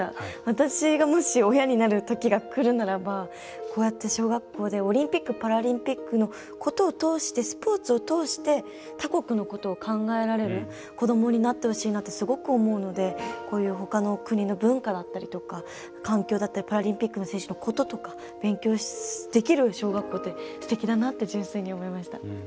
私がもし親になるときがくるならばこうやって小学校でオリンピック・パラリンピックのことを通してスポーツを通して他国のことを考えられる子どもになってほしいなとすごく思うのでほかの国の文化だったりとか環境だったりパラリンピックの選手のこととか勉強できる小学校ってすてきだなって純粋に思いました。